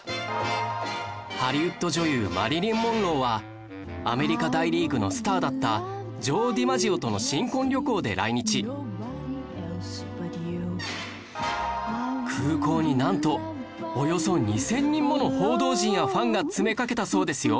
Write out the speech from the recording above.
ハリウッド女優マリリン・モンローはアメリカ大リーグのスターだった空港になんとおよそ２０００人もの報道陣やファンが詰めかけたそうですよ